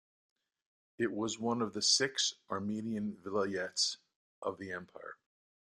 It was one of the six Armenian vilayets of the Empire.